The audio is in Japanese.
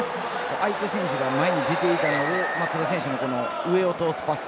相手選手が前に出ていたのでその選手の上を通すパス。